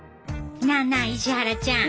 なあなあ石原ちゃん